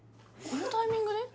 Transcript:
このタイミングで？